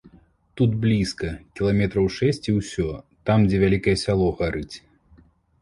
Тут блізка, кіламетраў шэсць і ўсё, там, дзе вялікае сяло гарыць.